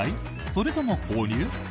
それとも購入？